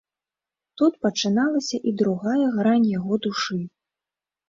Тут пачыналася і другая грань яго душы.